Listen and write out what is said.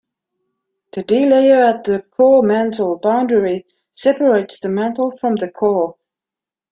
The D layer at the core-mantle boundary separates the mantle from the core.